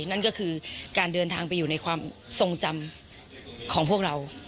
นั่นก็คือการเดินทางไปอยู่ในความทรงจำของพวกเรา